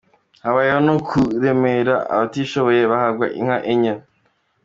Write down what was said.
Habayeho no kuremera abatishoboye, bahabwa inka enye.